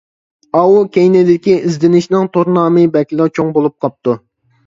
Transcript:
ئاۋۇ كەينىدىكى ئىزدىنىشنىڭ تور نامى بەكلا چوڭ بولۇپ قاپتۇ.